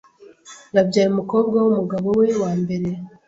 Yabyaye umukobwa wumugabo we wa mbere .